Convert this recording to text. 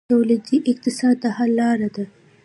تولیدي اقتصاد د حل لاره ده